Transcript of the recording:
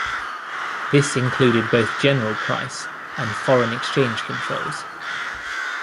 This included both general price and foreign exchange controls.